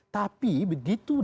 tapi begitu diperhatikan